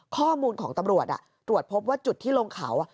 ข้อมูลของตำรวจตรวจพบว่าจุดที่ลงเขา